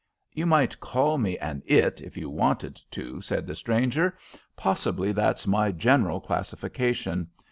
"You might call me an It if you wanted to," said the stranger. "Possibly that's my general classification.